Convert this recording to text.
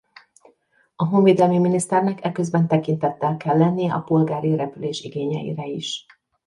A honvédelmi miniszternek eközben tekintettel kell lennie a polgári repülés igényeire is.